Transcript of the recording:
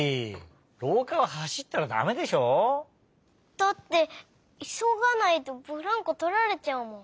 だっていそがないとブランコとられちゃうもん。